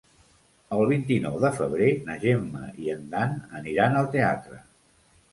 El vint-i-nou de febrer na Gemma i en Dan aniran al teatre.